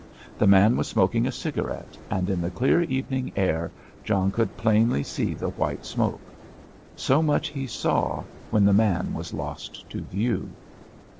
The man was smoking a cigarette, and in the clear evening air John could plainly see the white smoke. So much he saw, when the man was lost to view.